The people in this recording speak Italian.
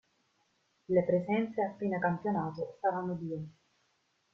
Le presenze a fine campionato saranno due.